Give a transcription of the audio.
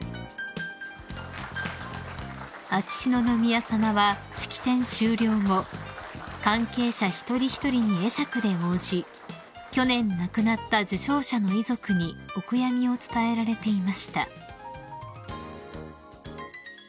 ［秋篠宮さまは式典終了後関係者一人一人に会釈で応じ去年亡くなった受章者の遺族にお悔やみを伝えられていました］